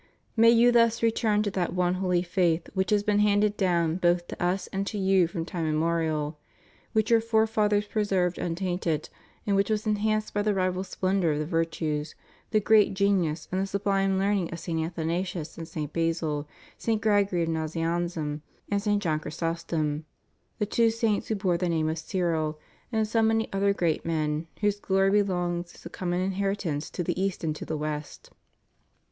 May you thus return to that one holy Faith which has been handed down both to Us and to you from time immemorial; which your fore fathers preserved untainted, and which was enhanced by the rival splendor of the virtues, the great genius, and the sublime learning of St. Athanasius and St. Basil, St. Gregory of Nazianzum and St. John Chrysostom, the two saints who bore the name of Cyril, and so many other great men whose glory belongs as a conmion inheritance to the East and to the West.